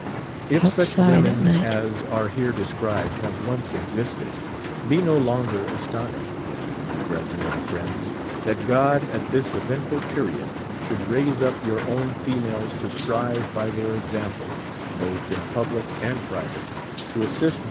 If such women as are here described Lave once existed, be no longer astonished, then, my bretij en and friends, that God at this eventful period should raise up your own females to strive b\' their example, both in public and private, to assist tho?>